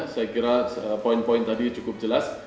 saya kira poin poin tadi cukup jelas